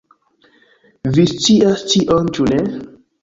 Vi scias tion ĉu ne?